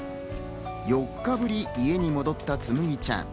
４日ぶり家に戻ったつむぎちゃん。